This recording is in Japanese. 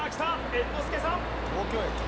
猿之助さん。